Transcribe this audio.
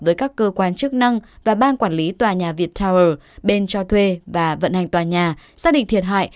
với các cơ quan chức năng và ban quản lý tòa nhà vietteler bên cho thuê và vận hành tòa nhà xác định thiệt hại